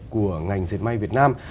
của ngành diệt may việt nam